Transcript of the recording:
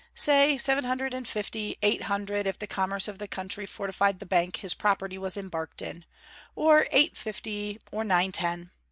Say, seven hundred and fifty.... eight hundred, if the commerce of the country fortified the Bank his property was embarked in; or eight fifty or nine ten....